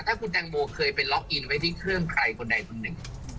ถ้าคุณแตงโมเคยไปล็อกอินไว้ที่เครื่องใครคนใดคนหนึ่ง